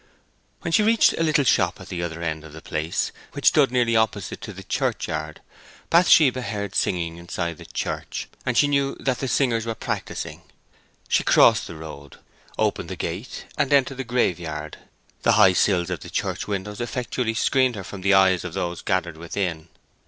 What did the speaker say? When she reached a little shop at the other end of the place, which stood nearly opposite to the churchyard, Bathsheba heard singing inside the church, and she knew that the singers were practising. She crossed the road, opened the gate, and entered the graveyard, the high sills of the church windows effectually screening her from the eyes of those gathered within.